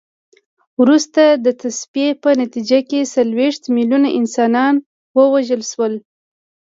وروسته د تصفیې په نتیجه کې څلوېښت میلیونه انسانان ووژل شول.